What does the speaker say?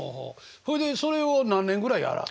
ほいでそれを何年ぐらいやらはった？